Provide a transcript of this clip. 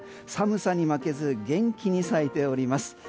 寒さに負けず元気に咲いております。